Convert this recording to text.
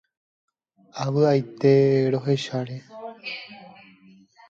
Avy'aite rohecháre.